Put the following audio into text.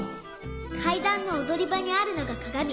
かいだんのおどりばにあるのがかがみ。